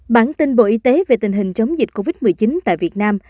bản tin bộ y tế về tình hình chống dịch covid một mươi chín tại việt nam